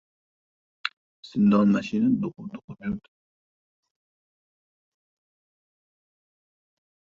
Zindonmashina do‘qib-do‘qib yurdi.